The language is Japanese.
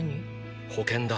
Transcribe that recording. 保険だ。